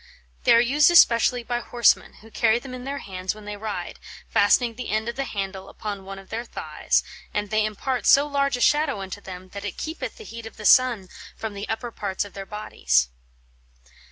They are used especially by horsemen, who carry them in their hands when they ride, fastening the end of the handle upon one of their thighs, and they impart so large a shadow unto them, that it keepeth the heate of the sunne from the upper parts of their bodies."